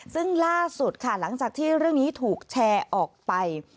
ซึ่งล่าสุดค่ะหลังจากที่เรื่องนี้ถูกแชร์ออกไป